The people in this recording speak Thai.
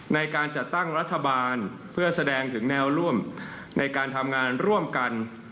ในการจัดตั้งรัฐบาลเพื่อแสดงถึงแนวร่วมในการทำงานร่วมกัน